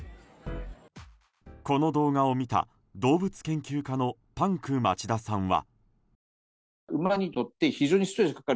この動画を見た動物研究家のパンク町田さんは。